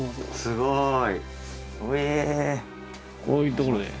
すごい！